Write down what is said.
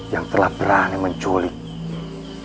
yang telah berani menculik